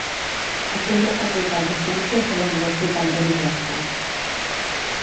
Acull la facultat de ciències de la universitat de Bizerta.